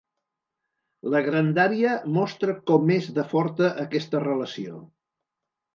La grandària mostra com és de forta aquesta relació.